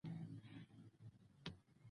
بل دین برم ختمولو لپاره کافي وي.